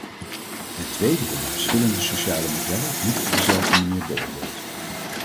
Ten tweede worden verschillende sociale modellen niet op dezelfde manier beoordeeld.